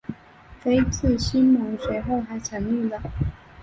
菲茨西蒙斯随后还成立了。